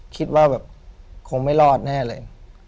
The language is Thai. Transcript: คิดว่าแบบคงไม่รอดแน่เลย